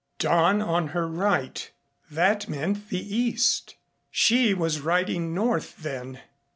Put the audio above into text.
Dawn on her right that meant the east. She was riding north, then.